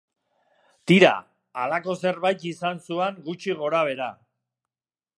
Tira, halako zerbait izan zuan gutxi gorabehera.